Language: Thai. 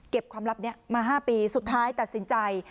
ความลับนี้มา๕ปีสุดท้ายตัดสินใจ